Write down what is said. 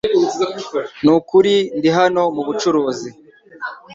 Nukuri ndi hano mubucuruzi .